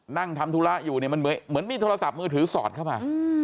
นั่งทำธุระอยู่เนี่ยมันเหมือนมีโทรศัพท์มือถือสอดเข้ามา